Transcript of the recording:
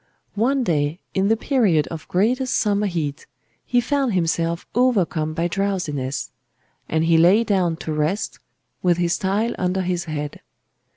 "One day, in the period of greatest summer heat, he found himself overcome by drowsiness; and he lay down to rest, with his tile under his head.